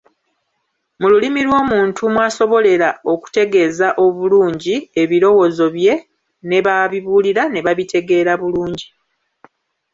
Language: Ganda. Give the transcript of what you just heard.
Mu lulimi lw'omuntu mw'asobolera okutegeeza obulungi ebirowoozo bye ne b'abibuulira ne babitegeera bulungi.